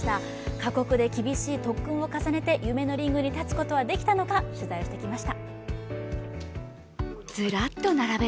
過酷で厳しい特訓を重ね、果たして夢のリングにたつことはできたのか取材しました。